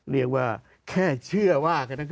เรียกว่าแค่เชื่อว่ากัน